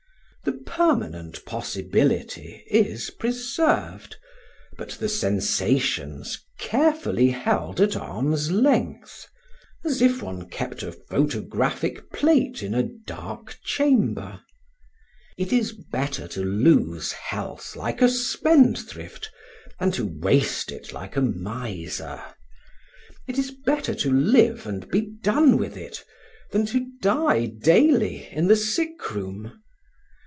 The Permanent Possibility is preserved, but the sensations carefully held at arm's length, as if one kept a photographic plate in a dark chamber. It is better to lose health like a spendthrift than to waste it like a miser. It is better to live and be done with it, than to die daily in the sickroom.